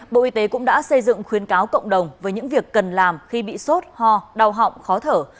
bộ y tế cũng đã xây dựng khuyến cáo cộng đồng với những việc cần làm khi bị sốt ho đau họng khó thở